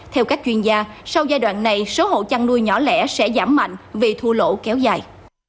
theo các chuyên gia sau giai đoạn này số hộ chăn nuôi nhỏ lẻ sẽ giảm mạnh vì thua lỗ kéo dài